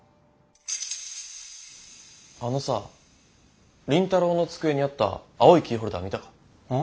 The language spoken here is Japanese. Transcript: あのさ倫太郎の机にあった青いキーホルダー見たか？